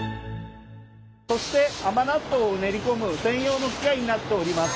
そして甘納豆を練り込む専用の機械になっております。